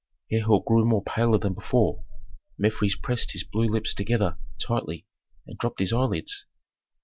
Herhor grew much paler than before; Mefres pressed his blue lips together tightly and dropped his eyelids.